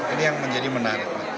ini yang menjadi menarik